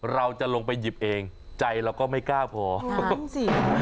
เราจะลงไปหยิบเองใจเราก็ไม่กล้าพอต้องสิ